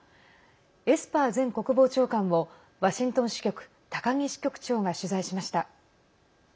エスパー前国防長官をワシントン支局、高木支局長が取材しました。